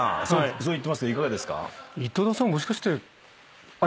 そう言ってますけどいかがです？